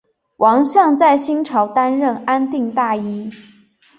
王向在新朝担任安定大尹。